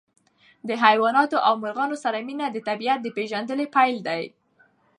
د حیواناتو او مرغانو سره مینه د طبیعت د پېژندنې پیل دی.